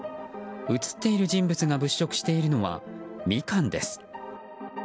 映っている人物が物色しているのはミカンです。